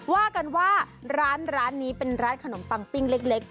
ว่ากันว่าร้านนี้เป็นร้านขนมปังปิ้งเล็ก